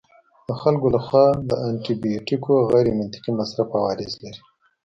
د خلکو لخوا د انټي بیوټیکو غیرمنطقي مصرف عوارض لري.